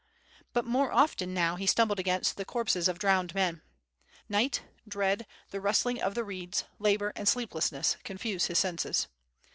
But more often now he stumbled against the corpses of drowned men. Night, dread, the rustling of the reeds, labor, and sleeplessness, confuse his senses.